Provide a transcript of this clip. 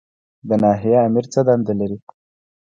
د ناحیې آمر څه دنده لري؟